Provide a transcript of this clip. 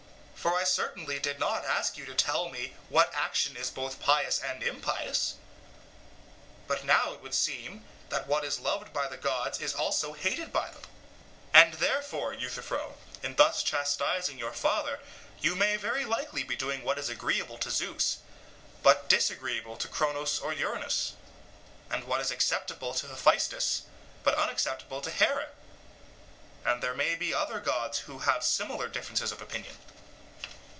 For I certainly did not ask you to tell me what action is both pious and impious: but now it would seem that what is loved by the gods is also hated by them. And therefore, Euthyphro, in thus chastising your father you may very likely be doing what is agreeable to Zeus but disagreeable to Cronos or Uranus, and what is acceptable to Hephaestus but unacceptable to Here, and there may be other gods who have similar differences of opinion.